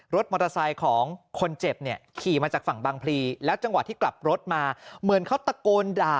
รถมอเตอร์ไซค์ของคนเจ็บเนี่ยขี่มาจากฝั่งบางพลีแล้วจังหวะที่กลับรถมาเหมือนเขาตะโกนด่า